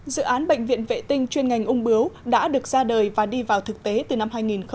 dự án bệnh viện vệ tinh chuyên ngành ung bướu đã được ra đời và đi vào thực tế từ năm hai nghìn một mươi